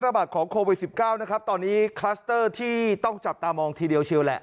ของโควิด๑๙นะครับตอนนี้คลัสเตอร์ที่ต้องจับตามองทีเดียวเชียวแหละ